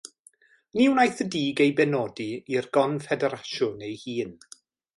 Ni wnaeth y Dug ei benodi i'r Gonffederasiwn ei hun.